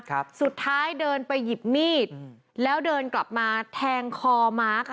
สุดท้ายเดินไปหยิบมีดอืมแล้วเดินกลับมาแทงคอมาร์คอ่ะ